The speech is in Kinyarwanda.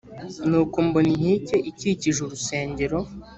nuko mbona inkike ikikije urusengero